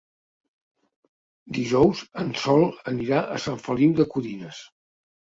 Dijous en Sol anirà a Sant Feliu de Codines.